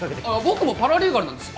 僕もパラリーガルなんです。